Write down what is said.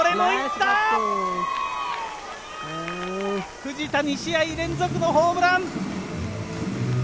藤田、２試合連続のホームラン。